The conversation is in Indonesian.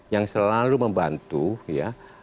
yang selalu membantu ya